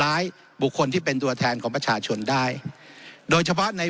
บุคคลที่เป็นตัวแทนของประชาชนได้โดยเฉพาะใน